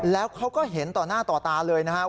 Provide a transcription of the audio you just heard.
แล้วเขาก็เห็นต่อหน้าต่อตาเลยนะครับ